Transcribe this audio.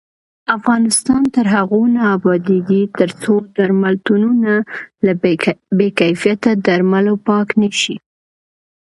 افغانستان تر هغو نه ابادیږي، ترڅو درملتونونه له بې کیفیته درملو پاک نشي.